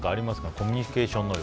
コミュニケーション能力。